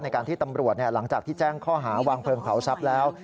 การที่ตำรวจหลังจากที่แจ้งข้อหาวางเพลิงเผาทรัพย์แล้ว